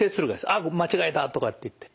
あっ間違えたとかっていって。